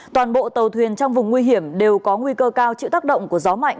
toàn bộ tàu thuyền trong vùng nguy hiểm đều có nguy cơ cao chịu tác động của gió mạnh